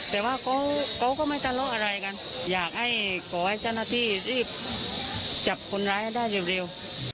แต่ว่าเขาก็ไม่ทะเลาะอะไรกันอยากให้ขอให้เจ้าหน้าที่รีบจับคนร้ายให้ได้เร็ว